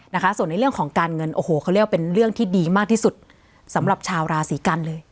นะคะส่วนในเรื่องของการเงินโอ้โหเขาเรียกว่าเป็นเรื่องที่ดีมากที่สุดสำหรับชาวราศีกันเลย